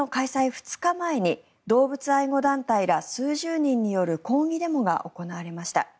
２日前に動物愛護団体ら数十人による抗議デモが行われました。